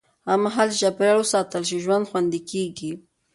هغه مهال چې چاپېریال وساتل شي، ژوند خوندي کېږي.